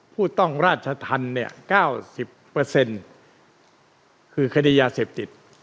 ผู้ต้องราชทันเนี่ยเก้าสิบเปอร์เซ็นต์คือคดียาเสพติด